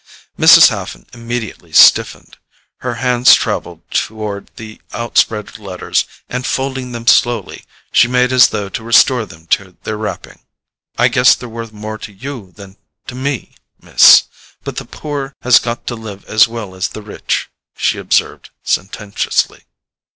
Mrs. Haffen immediately stiffened. Her hand travelled toward the outspread letters, and folding them slowly, she made as though to restore them to their wrapping. "I guess they're worth more to you than to me, Miss, but the poor has got to live as well as the rich," she observed sententiously.